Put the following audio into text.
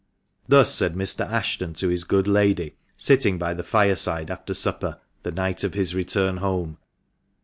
Thus said Mr. Ashton to his good lady, sitting by the fireside after supper, the night of his return home.